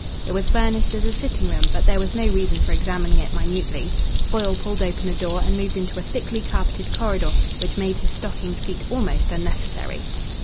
It was furnished as a sitting room, but there was no reason for examining it minutely. Foyle pulled open the door and moved into a thickly carpeted corridor, which made his stockinged feet almost unnecessary.